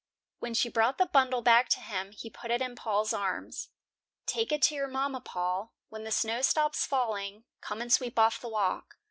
When she brought the bundle back to him, he put it in Paul's arms. "Take it to your mama, Paul. When the snow stops falling, come and sweep off the walk.